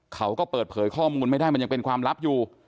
เขาก็เปิดเผยข้อมูลไม่ได้มันยังเป็นความลับอยู่